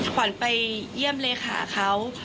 ขวัญไปเยี่ยมเลขาเขา